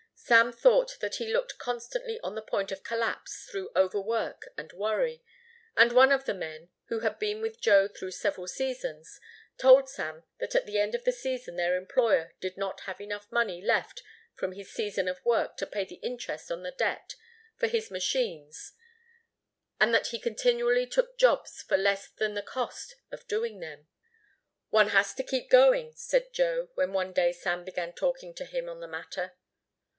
Sam thought that he looked constantly on the point of collapse through overwork and worry, and one of the men, who had been with Joe through several seasons, told Sam that at the end of the season their employer did not have enough money left from his season of work to pay the interest on the debt for his machines and that he continually took jobs for less than the cost of doing them. "One has to keep going," said Joe, when one day Sam began talking to him on the matter.